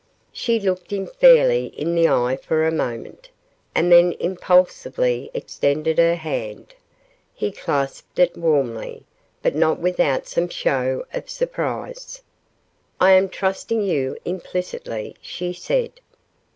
She looked him fairly in the eye for a moment, and then impulsively extended her hand. He clasped it warmly, but not without some show of surprise. "I am trusting you implicitly," she said.